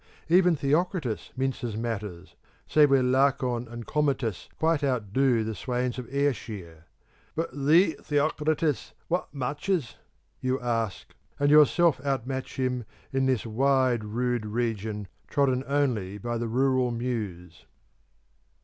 Even Theocritus minces matters, save where Lacon and Comatas quite outdo the swains of Ayrshire. 'But thee, Theocritus, wha matches?' you ask, and yourself out match him in this wide rude region, trodden only by the rural Muse.